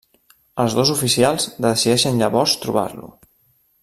Els dos oficials decideixen llavors trobar-lo.